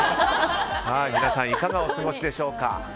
皆さん、いかがお過ごしでしょうか。